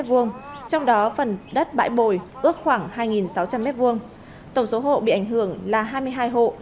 trong đó phần đất bãi bồi ước khoảng hai sáu trăm linh m hai tổng số hộ bị ảnh hưởng là hai mươi hai hộ